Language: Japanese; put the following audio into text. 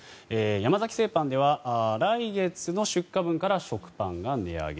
山崎製パンでは来月の出荷分から食パンが値上げ。